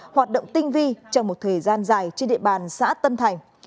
hoạt động tinh vi trong một thời gian dài trên địa bàn xã tân thành